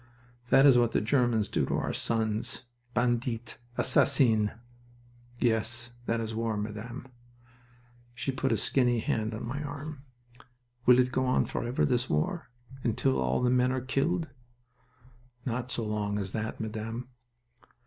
"That is what the Germans do to our sons. Bandits! Assassins!" "Yes. That is war, Madame." She put a skinny hand on my arm. "Will it go on forever, this war? Until all the men are killed?" "Not so long as that, Madame.